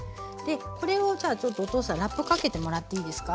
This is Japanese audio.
これをじゃあちょっとお父さんラップかけてもらっていいですか？